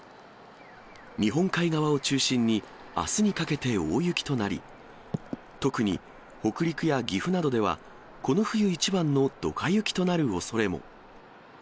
日本海側を中心にあすにかけて大雪となり、特に北陸や岐阜などでは、この冬一番のドカ雪となるおそれも。